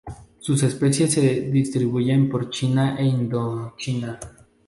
Sus especies se distribuyen por China e Indochina.